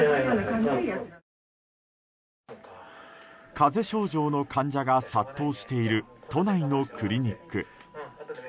風邪症状の患者が殺到している都内のクリニック。